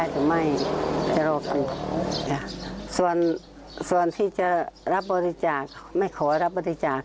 สภาพครอบครัวนางจิตใจฉัน